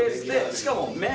しかも麺